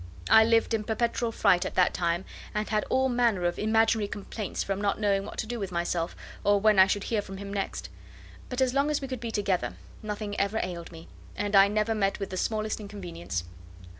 I lived in perpetual fright at that time, and had all manner of imaginary complaints from not knowing what to do with myself, or when I should hear from him next; but as long as we could be together, nothing ever ailed me, and I never met with the smallest inconvenience."